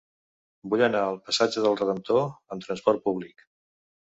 Vull anar al passatge del Redemptor amb trasport públic.